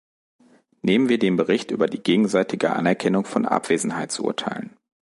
Nehmen wir den Bericht über die gegenseitige Anerkennung von Abwesenheitsurteilen.